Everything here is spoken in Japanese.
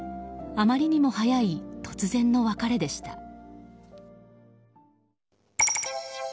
あまりにも早い突然の別れでした。